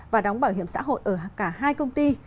và đóng bảo hiểm xã hội ở cả hai công ty